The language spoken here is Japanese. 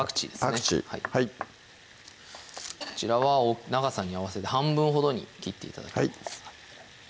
パクチーはいこちらは長さに合わせて半分ほどに切って頂きます